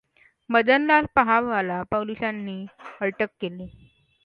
मदनलाल पाहवाला पोलिसांनी अटक केली.